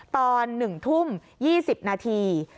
ตอน๑ทุ่ม๒๐นาที